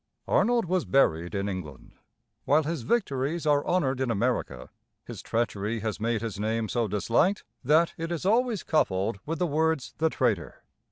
Arnold was buried in England. While his victories are honored in America, his treachery has made his name so disliked that it is always coupled with the words "the traitor."